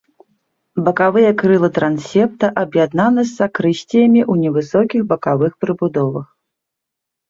Бакавыя крылы трансепта аб'яднаны з сакрысціямі ў невысокіх бакавых прыбудовах.